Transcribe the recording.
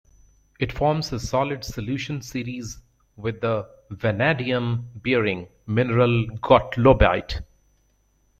It forms a solid solution series with the vanadium bearing mineral gottlobite.